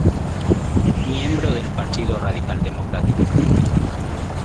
Miembro del Partido Radical Democrático.